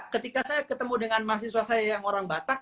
ketika saya ketemu dengan mahasiswa saya yang orang batak